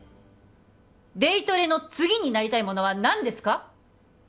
デイトレの次になりたいものは何ですか？